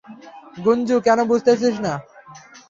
গুঞ্জু, কেন বুঝতেছিস না?